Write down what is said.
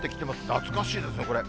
懐かしいですね、これ。